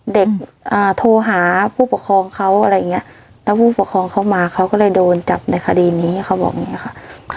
โทรหาผู้ปกครองเขาอะไรอย่างเงี้ยแล้วผู้ปกครองเขามาเขาก็เลยโดนจับในคดีนี้เขาบอกอย่างนี้ค่ะ